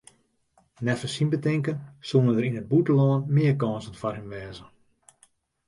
Neffens syn betinken soene der yn it bûtenlân mear kânsen foar him wêze.